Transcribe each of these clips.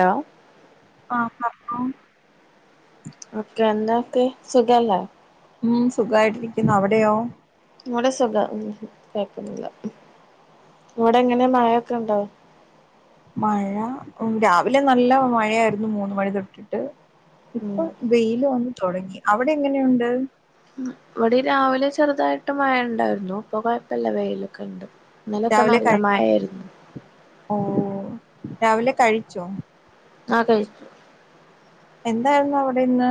Hello ആഹ് പറ okay എന്താപ്പി സുഖല്ലേ ഉം സുഖായ്ട്ടിരിക്ക്ന്ന് അവ്ടെയോ ഇവെടെ സുഖാ ഉം കാെയപ്പാെന്നുല്ല ഇവെടെ എങ്ങെനെ മയൊക്കെണ്ടോ മഴാ ഉം രാവിലെ നല്ല മഴയായ്ര്ന്നു മൂന്ന് മണി തൊട്ടിട്ട് ഉം ഇപ്പം വെയില് വന്ന് തൊടെങ്ങി അവടെ എങ്ങനെയുണ്ട് ഉം വെടീം രാവിലെ ചെറ്തായിട്ട് മയെണ്ടായ്ര്ന്നു പ്പം കൊയെപ്പല്ല വെയ്ലൊക്കെണ്ട് ഇന്നലൊക്കെ നല്ല മയേയ്ര്ന്നു ഓഹ് രാവിലെ കഴിച്ചോ ആഹ് കഴിച്ചു എന്തായ്ര്ന്നു അവ്ടെ ഇന്ന്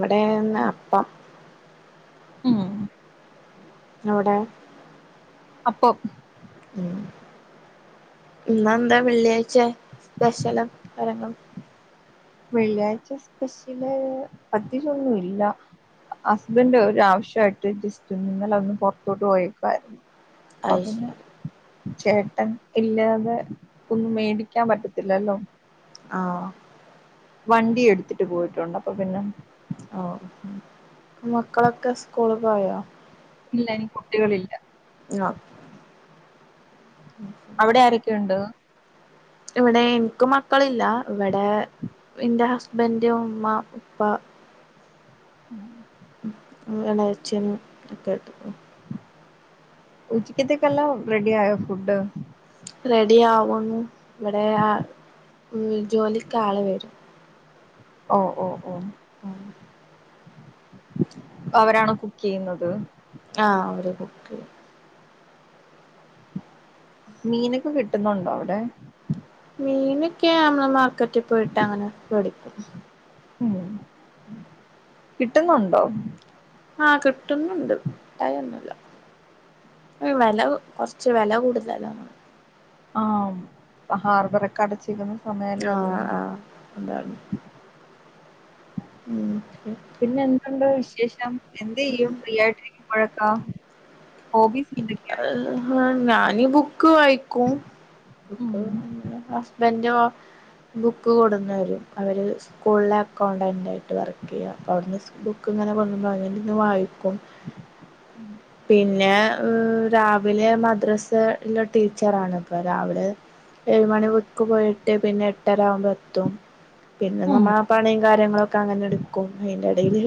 വെടേ ന്ന് അപ്പം ഓഹ് യൊവ്ടേ അപ്പൊ ഉം ഇന്നെന്താ വെള്ള്യായ്ച്ചേ സ്പെഷലും കരങ്ങളും വെള്ള്യാഴ്ച്ച സ്പെഷ്യെല് അധികൊന്നു ഇല്ലാ ഹസ്ബെന്റ് ഒരാവശ്യവായിട്ട് ജസ്റ്റ് ഇന്നലൊന്ന് പാെർത്തോട്ട് പോയേക്കുവായ്ര്ന്നു പ്പൊ അത് പിന്നെ ശരി ചേട്ടൻ ഇല്ലാതെ ഒന്നും മേടിക്കാം പറ്റത്തില്ലല്ലോ ആഹ് ഓഹ് വണ്ടി എട്ത്തിട്ട് പോയിട്ടുണ്ട് അപ്പൊ പിന്നെ ഓഹ് മക്കളൊക്കെ സ്കൂള് പോയോ ഇല്ല എനിക്ക് കുട്ടികെള് ഇല്ലാ ങ്ങാ [inaudible] അവ്ടെ ആരൊക്കെയുണ്ട്? ഇവിടേ ഇൻക്ക് മക്കളില്ലാ. ഇവടെ... ഇന്റെ ഹസ്ബൻഡ് ഉമ്മ ഉപ്പ ആഹ് അത് ഏളേച്ചനും [unintelligible] ഉച്ചയ്ക്കേത്തെക്കെല്ലൊം റെഡി ആയോ ഫുഡ്ഡ്? റെഡി ആവുന്നു. ഇവടെ ആ ജോലിക്കാള് വെരും. ഓഹ് ഓഹ് ഓഹ്. ആഹ് അവരാണോ കുക്കെയ്യ്ന്നത്? ആഹ് അവര് കുക്കെയ്യും. മീനൊക്കെ കിട്ടുന്നുണ്ടോ അവിടെ? മീന്ക്കേ നമ്മള് മാർക്കറ്റ് പോയിട്ടങ്ങനെ വേടിക്കും. ഉം [inaudible] കിട്ടുന്നുണ്ടോ? ആഹ് കിട്ടുന്നുണ്ട്, കിട്ടായൊന്നുല്ല. ഉം വെല കൊർച്ച് വെല കൂടുതലാണ്. ആം പ്പൊ ഹാർബറൊക്കെ അടച്ചിരിക്കുന്ന സമയല്ലേ ആഹ് അതുകൊണ്ട് ആഹ് അതാണ് ഉം ശെ [unintelligible] പിന്നെ എന്തുണ്ട് വിശേഷം? എന്തെയ്യും ഫ്രീയായിട്ടിരിക്കു മ്പഴക്കാ? ഹോബീസ് എന്തൊക്കെയാ ഞാനീ ബുക് ക്ക് വായിക്കും. ഉം ഹസ്ബൻ്റോ? ബുക്ക് കൊട്ന്നെരും. അവര് സ്കൂൾലെ അക്കൗണ്ടൻ്റായിട്ട് വർക്കെയ്യാ. അപ്പവ്ട്ന്ന് സ്കൂ ബുക്ക്ങ്ങനെ [unintelligible] വായിക്കും. പിന്നേ രാവിലെ മദ്രസ യിലെ ടീച്ചറാണ്, പ്പൊ രാവിലെ ഏഴ് മണി [unintelligible] ക്ക് പോയിട്ട് പിന്നെ എട്ടരാവുമ്പൊ എത്തും. പിന്നെ ഉം നമ്മളാ പണിം കാര്യങ്ങളൊക്കെ അങ്ങനെ ഇട്ക്കും. അയ്ന്റെടേല്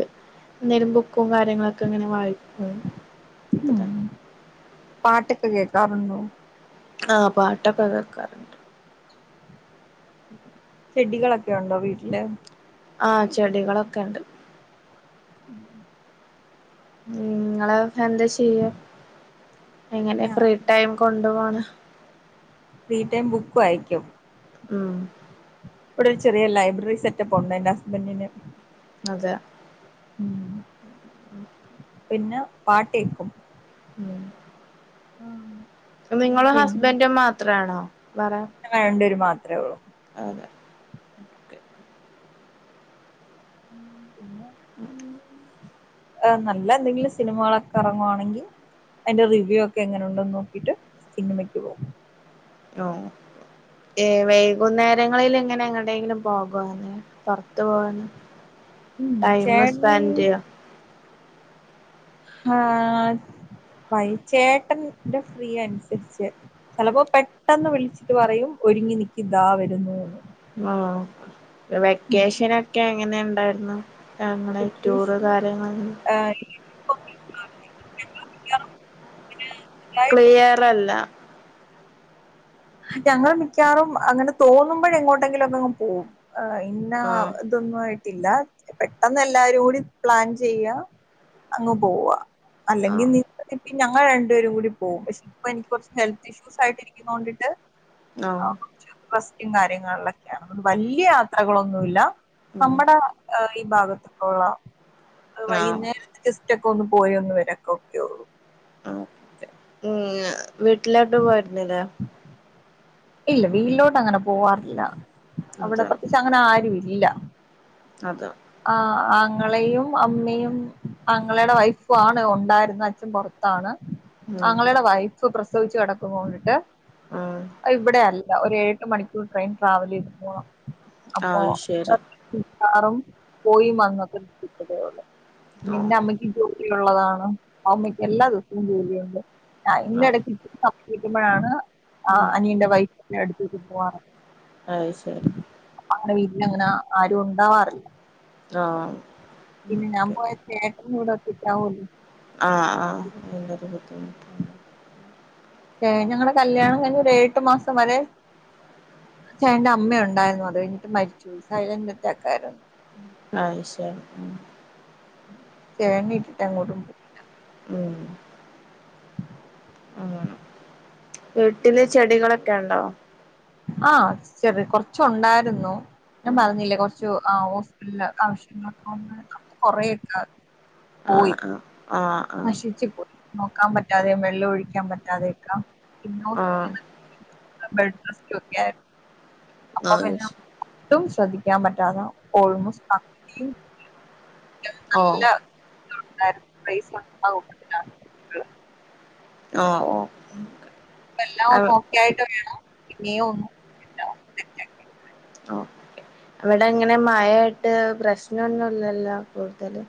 എന്തേലും ബുക്കും കാര്യങ്ങളൊക്കെങ്ങനെ വായിക്കും. [unintelligible] പാട്ട്ക്കെ കേക്കാറുണ്ടോ? ആഹ് പാട്ടൊക്കെ കേക്കാറ് [inaudible] ചെടികളൊക്കെ ഒണ്ടോ വീട്ടില്? ആഹ് ചെടികളൊക്കെണ്ട്. ഉം ഉം ഇങ്ങള് എന്ത ചെയ്യാ? എങ്ങനെ ഞാൻ ഫ്രീ ടൈം കൊണ്ട് പോവ്ന്ന്? ഫ്രീ ടൈം ബുക്ക് വായിക്കും. ഉം ഇവ്ടെ ഒരു ചെറിയ ലൈബ്രറി സെറ്റപ്പുണ്ട് എന്റെ ഹസ്ബൻഡിന് അതെ ഉം പിന്നെ പാട്ടേക്കും. ഉം നിങ്ങളും ഹസ്ബന്റും മാത്രാണോ വറെ ഞങ്ങ രണ്ട് പേര് മാത്രഒള്ളൂ അതെ ഓക്കേ ഉം ആഹ് നല്ല എന്തെങ്കിലും സിനിമകളൊക്കെ എറങ്ങുവാണെങ്കി. അയ്ന്റെ റിവ്യൂ ഒക്കെ എങ്ങനെ ഉണ്ടെന്ന് ന്നോക്കിട്ട് സിനിമക്ക് പോവും. ഹലോ ഏഹ് വൈകുന്നേരങ്ങളില്ങ്ങനെ എങ്ങണ്ടേങ്കിലും പോകാന് പൊർത്ത് പോവാന്. ഉം ടൈമ് ചേട്ടൻ സ്പെൻന്റെയ്യ. ആഹ് വൈ ചേട്ടന്റെ ഫ്രീ അൻസര്ച്ച്. ചെലപ്പോ പെട്ടെന്ന് വിളിച്ച്ട്ട് പറയും ഒര്ങ്ങി നിക്കിതാ വെരുന്നൂന്ന്. ആഹ് വെക്കേഷനൊക്കെ എങ്ങനെണ്ടാര്ന്ന്? അങ്ങനെ റ്റൂറ് കാര്യങ്ങളും. ആഹ് [inaudible] ക്ലിയറല്ല. ഞങ്ങള് മിക്കവാറും അങ്ങനെ തോന്ന്മ്പോഴെങ്ങോട്ടെങ്കിലൊക്കഅങ് പോവും ആ ഇന്നാ ആഹ് ഇതൊന്നു ആയിട്ടില്ല പെട്ടെന്ന് എല്ലാരൂടി പ്ലാൻ ചെയ്യാ അങ്ങ് പോവാ. ആഹ് അല്ലെങ്കിന്നി [inaudible] നി ഞങ്ങള് രണ്ട്പേരുംങ്കൂടി പോവും പഷെപ്പെനിക്ക് കൊർച് ഹെൽത്ത്ഇഷ്യൂസായിട്ട് ഇര്ക്ക്ന്നോണ്ട്. ആഹ്. റെസ്റ്റും കാര്യങ്ങളൊക്കേണ് അതോണ്ട് വല്ല്യ യാത്രകളൊന്നുല്ല ഉം നമ്മടെ. അഹ് ഈ ഭാഗത്ത്ന്നുള്ള അഹ് ആഹ് വൈന്നേ ജസ്സ്റ്റക്കൊന്ന് പോയൊന്ന് വെരക്കക്കൊയൊള്ളൂ. ഉം ഇ [unintelligible] വീട്ടിലോട്ട് പോയിര്ന്നിലെ? ഇല്ല വീലോട്ട് അങ്ങനെ പോവാറില്ല അവ്ടെ അതെ പ്രത്യേകിച്ചങ്ങനെ ആരു ഇല്ല. അതാ. ആഹ് അങ്ങളയും അമ്മയും ആങ്ങളുടെ വൈഫു ആണ് ഒണ്ടായ്ര്ന്നെ അച്ഛൻ പൊറത് ത്താണ് ഉം അങ്ങളയുടെ വൈഫ് പ്രസവിച്ച് കെടക്ക്ന്നോണ്ട്ട്ട്. ആഹ്. അത് ഇവ്ടെയല്ല ഒര് ഏഴ് എട്ട് മണിക്കൂർ ട്രെയിൻ ട്രാവലെയ്ത് പോണം അപ്പൊ. അത് ശരി കാറും പോയി വന്നോക്കെ ന്നിക്കതേയൊള്ളൂ ആഹ് നിന്റെ അമ്മക്ക് ജോ ലിയുള്ളതാണ് അമ്മക്ക് എല്ലാ ദിവസവും ജോലിയുണ്ട് ഞാൻ ഇന്ന ആഹ് എടക്ക് [unintelligible] രിക്കുമ്പയാണ്. ഉം. അനിയന്റെ വൈഫിന്റെ അടുത്തേക്ക് പോവാണ്. അഹ് ശെരി. അവളെ വീട്ടിലങ്ങന ആരു ഉണ്ടാവാറില്ല ആഹ് പിന്നെ ഞാൻ ഓക്കെ പോയ ചേട്ടന് ഇവടെ ഒറ്റക്കാവോണ്ട്. ആഹ് ആഹ് പിന്നൊരു ബുദ്ധിമു ഏഹ് ഞങ്ങളെ കല്യാണം കഴിഞ്ഞ് ഒരേയട്ട് മാസം വരെ. ചേട്ടന്റെ അമ്മ ഉണ്ടായിര്ന്നു അത് കഴിഞ്ഞിട്ട് മരിച്ച് പോയി സൈലന്ററ്റാക്കാര്ന്നു. അഹ് ശെരി ഉം. തേങ്ങ ഇട്ടിട്ടങ്ങോട്ട്പോവും ഉം. ആഹ് വീട്ടില് ചെടികളൊക്കെ ഇണ്ടോ? ആഹ് ചെറി കൊർച്ച് ഒണ്ടായ്ര്ന്നു ഞാൻ ഉം പർഞ്ഞില്ലേ കൊർ ച്ചു അ ഹോസ്പില്ല് ആവ്ശ്യങ്ങൾക്കൊന്ന് [inaudible] കൊറേണ്ട്. പോയി ആഹ് ആഹ് ആഹ് നശിച്ച് പോയ്‌. നോക്കാൻ പറ്റാതെ വെള്ള ഒഴിക്കാൻ പറ്റാതെയൊക്കെ പിന്നോ ആഹ് ആഹ് [unintelligible] ദോക്കെ [inaudible] അപ്പൊ അത് പിന്നെ ശരി ഒട്ടും ശ്രദ്ധിക്കാൻ പറ്റാത ഓൾമോസ് പകുതിയും മുങ്ങി. [inaudible] ഓഹ് ന്നല്ലാ ഇത് ഉണ്ടായ്ര്ന്നു പ്രൈസ്ണ്ടാവും ന്നല്ലാ. ഓഹ് ഓഹ് ഇപ്പ എല്ലാം അവി ഒന്ന് ഓക്കേ ആയിട്ട് വേണം പിന്നെയും ഒന്ന അവിടെ അങ്ങനെ മഴായിട്ട് പ്രശ്നൊന്നുംല്ലല്ലോ കൂടുതല്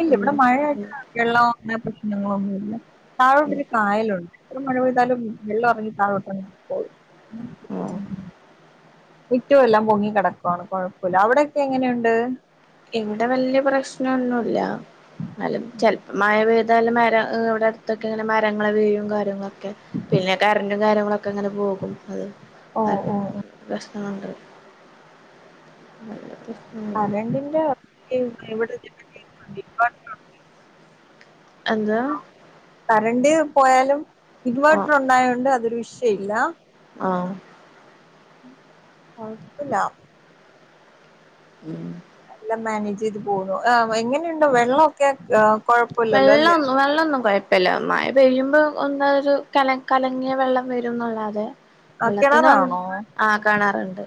ഇല്ല ഉം ഇവിടെ മഴയൊട്ട ഉം വെള്ളം അങ്ങന പ്രശ്നങ്ങളോ ഒന്ന ഇല്ല താഴോണ്ട ഉം ഒരു കായല ഉണ്ട് എ മഴ പെയ്താലും വെള്ളം ഇറങ്ങി താഴെോട്ട പോകും ഉം മിറ്റും എല്ലാം പൊങ്ങി കിടക്കുവാണ് കുഴപ്പമില്ല അവിടെക്കെ എങ്ങനെയുണ്ട് എവിടെ വല്യ പ്രശ്നൊന്നുമല്ല എന്നാലും ചെലപ്പ മഴ പ്യ്താലും മര ഇവിടെ അടുത്തൊക്കെ ഇങ്ങനെ മരങ്ങളെ വീഴയും കാര്യങ്ങളൊക്കെ പിന്നെ കറന്റും കാര്യങ്ങളൊക്കെ അങ്ങനെ പോകും അത് ഓ ഓ പ്രശ്നമണ്ട് നല്ല പ്രശ്നമുണ്ട് ആരണ്ടിന്റെ ഇവിടെ [inaudible] എന്ത കറണ്ട് പോയാലും ഇൻവേർട്ടർ ആഹ് ഉണ്ടായോണ്ട് അതൊരു വിഷയ ഇല്ല ആഹ കുഴപ്പില്ല ഉം എല്ലാം മാനേജ് ചെയ്ത് പോകുന്നു് എങ്ങനെയുണ്ടോ വെള്ളമൊക്കെ് വെള്ളമൊന്നും വെള്ളംന്നും കോഴപ്പി ല മഴ പയ്യുംമ്പോ ഒന്ന ഒരു കല കലങ്ങിയ വെള്ളം വരുംന്നുള്ളാതെ ആ വെള്ളത്തിന കിണറാണോ ആഹ് കിണറുണ്ട്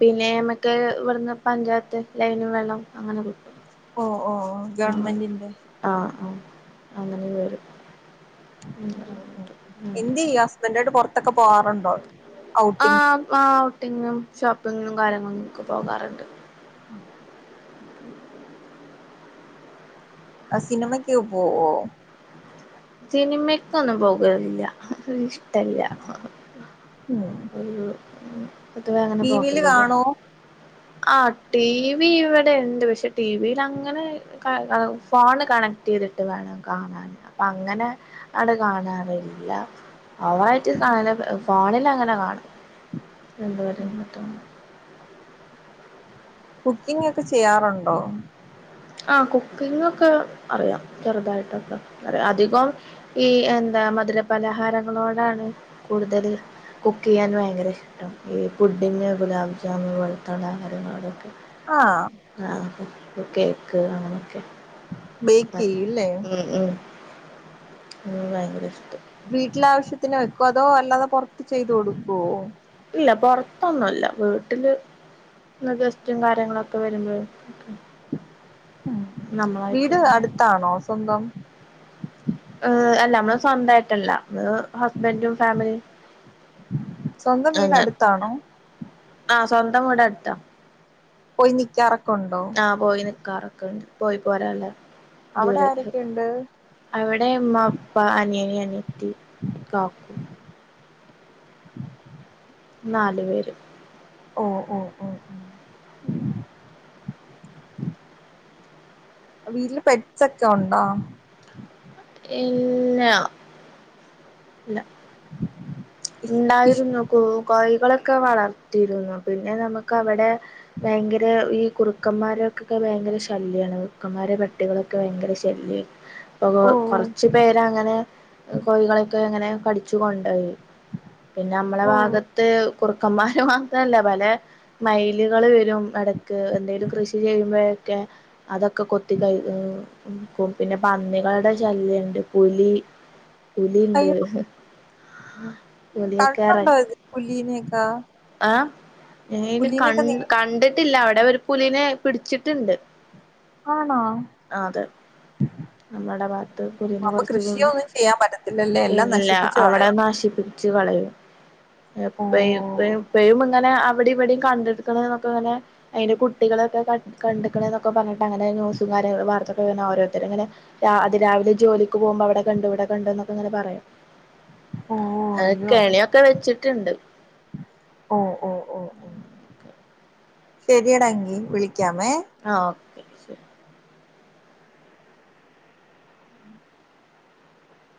പിന്നെ നമക്ക് ഇവിടുന്ന് പഞ്ചായത്ത് ലൈന വെള്ളം അങ്ങനെ കിട്ടും ഓഹ് ഓഹ് ആഹ് ഗവൺമെന്റിന്റെ ആഹ് ആഹ് അങ്ങനെ വരും എന്തുചെയ്യാ ഹസ്ബൻഡ ആയിട്ട് പുറത്തൊക്കെ പോവാറുണ്ടോ ഔട്ടിങ് ആഹ് ഔട്ടിങ്ങിനും ഷോപ്പിങ്ങിനും കാര്യങ്ങളുംക്ക് പോകാറുണ്ട് ഉം ആ ഹ് സിനിമയ്ക്ക് പോവോ സിനിമയ്ക്കൊന്നും പോകലില്ല ല്ല ഉം ഒരു ഒത്തവ അങ്ങനെ ടിവിൽ പോക്കലേ ഇല്ല കാണോ ആഹ് ടി വി ഇവിടെ ഉണ്ട് പക്ഷെ ടി വിൽ അങ്ങനെ ഫോണ് കണക്ട് ചെയ്തിട്ട് വേണം കാണാൻ അപ്പ അങ്ങനെ അടെ കാണാറില്ല അവറായിട്ട് കാണ ഫാണിൽ അങ്ങനെ കാണും എണ്ട് വരും പറ്റ കുക്കിംഗ ഒക്കെ ചെയ്യാറുണ്ടോ ആഹ് കുക്കിംഗ ഒക്കെ അറിയാം ചെറുതായിട്ടൊക്കെ അ അധികം ഈ എന്താ മധുരപലഹാരങ്ങളോടാണ് കൂടുതല് കുക്ക് ചെയ്യാൻ ഭയങ്കര ഇഷ്ടം ഈ പുഡിങ് ഗുലാ് ജാമുൻ വെളത്തുള്ള ആഹാരങ്ങളടൊക്കെ ആഹ് ആഹ കേക്ക് അങ്ങനോക്കെ ബേക്ക് ചെയ്യൂല്ലേ ഉ ഉ ഉ ഭയങ്കര ഇഷ്ടം വീട്ടില ആവശ്യത്തിന് വെക്കോ അതോ അല്ലാതെ പുറത്ത് ചെയ്ത് കൊടുക്കുവോ ഇല്ല പുറത്തൊന്നുമല്ല വീട്ടില് ഗസ്റ്റും കാര്യങ്ങളൊക്കെ വരുമ്പോ ഉം വീട് ഇങ്ങനെ അടുത്താണോ സ്വന്തം ഏ് അല്ല നമ്മള് സ്വന്തമായിട്ടല്ല നമ്മൾ ഹസ്ബൻറും ഫാമിലിയും സ്വന്തം വീട് അങ്ങനെ അടുത്താണോ? ആഹ് സ്വന്തം വീട് അടുത്ത പോയി നിക്കാറൊക്കെ ഉണ്ടോ? ആഹ് പോയി നിക്കാറൊക്കെണ്ട് പോയി പോരല്ല ദൂര അവിടെ ആരൊക്കെയുണ്ട് അവിടെമ്മ പ്പ അനിയന അനയത്തി കാക്കു. നാല് പേര്. ഓ ഓ ഓ ഓ വീട്ടില് പെഡ്സക്കെ ഉണ്ടോ? ഇല്ല ഇല്ല ഇണ്ടായിരുന്നു കോ കോയ്കളൊക്കെ വളർത്തിരുന്നു പിന്നെ നമുക്ക് അവിടെ ഭയങ്കര ഈ കുറുക്കന്മാരൊക്കൊക്കെ ഭയങ്കര ശല്യണ് കുറുക്കന്മാരെ പട്ടികളൊ ക്കെ ഭയങ്കര ശല്യ അപ്പൊ ഓ കൊറച്ച പേരങ്ങനെ കോഴികളൊക്കെങ്ങനെ കടിച്ചു കൊണ്ടയി. പിന്നെ മ്മളെ ഓ ഭാഗത്ത് കുറുക്കന്മാര് മാത്രല്ല പല മൈലുകൾ വരും ഇടക്ക് എന്തേലും കൃഷി ചെയ്യുമ്പോ ക്കെ അതൊക്കെ കൊത്തി കഴ ക്കും പിന്നെ പന്നികളുടെ ശല്യണ്ട് പുലി പുലിണ്ട്. പുലിയൊക്കെ എറ [unintelligible] പുലീനക്ക? ആഹ് നേരിൽ നേ കണ്ടിട്ടില്ല അവിടെ ഒരു പുലിനെ പിടിച്ചിട്ടുണ്ട്. ആണോ? നമ്മുടെ ഭാത്ത് അപ്പൊ കുരീന്ന കൃഷിയൊന്നും ചെയ്യാൻ പറ്റത്തില്ലല്ലേ എല്ലാം ഇല്ല നശിപ്പിച്ചു അവിടെ കളയും നാശിപ്പി ച്ച കളയും. ഓ എപ്പ ഇപ്പ ഇപ്പഴും ങ്ങനെ അവിടെ ഇവിടെ കണ്ടെടുക്കണന്നൊക്കെ ഇങ്ങനെ അയ്ന്റെ കുട്ടികളൊക്കെ കണ്ടക്കണന്നക്കെ പറഞ്ഞിട്ട് അങ്ങനെ ന്യൂസ കാര്യങ്ങള് വാർത്തക്കെ ഓരോത്തർ ഇങ്ങനെ രാ അതി രാവിലെ ജോലിക്ക് പോകുമ്പോ അവിടെകണ്ട ഇവിടെ കണ്ട ന്നൊക്കെങ്ങനെ പറയാ. ഓ അയ്യോ കെണിക്കെ വെച്ചിട്ടുണ്ട്. ഓ ഓ ഓ ഓ ശരിയടാങ്കി വിളിക്കാമേ? ആ ഓക്കെ ശരി.